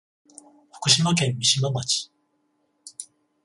福島県三島町